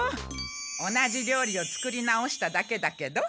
同じ料理を作り直しただけだけど。